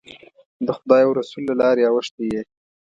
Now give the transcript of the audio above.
د خدای او رسول له لارې اوښتی یې.